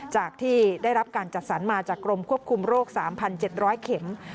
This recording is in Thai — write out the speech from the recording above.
ที่ได้รับการจัดสรรมาจากกรมควบคุมโรค๓๗๐๐เข็ม